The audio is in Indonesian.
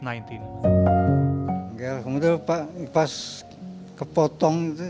mungkin untungnya covid sembilan belas barokahnya ada di sini